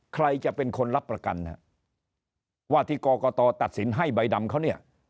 ใครจะเป็นคนรับประกันว่าที่กรกตตัดสินให้ใบดำเขาเนี่ย